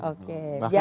oke biasa gimana